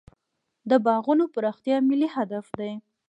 د باغونو پراختیا ملي هدف دی.